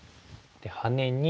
ハネに。